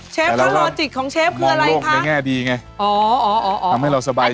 เชฟลงให้ให้หมดไปเลย